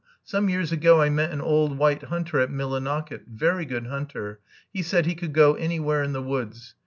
Some years ago I met an old white hunter at Millinocket; very good hunter. He said he could go anywhere in the woods.